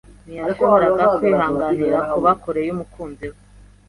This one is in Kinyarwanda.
Ntiyashoboraga kwihanganira kuba kure yumukunzi we.